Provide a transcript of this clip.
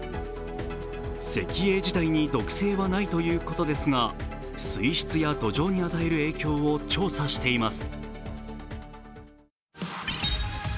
石英自体に毒性はないということですが、水質や土壌に与える影響を調査しています。